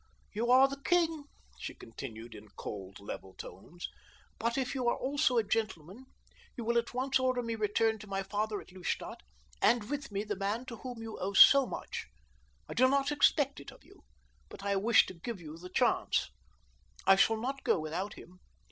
"You are the king," she continued in cold, level tones, "but if you are also a gentleman, you will at once order me returned to my father at Lustadt, and with me the man to whom you owe so much. I do not expect it of you, but I wish to give you the chance. "I shall not go without him.